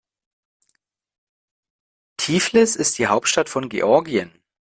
Tiflis ist die Hauptstadt von Georgien.